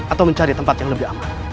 atau mencari tempat yang lebih aman